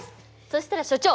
そしたら所長。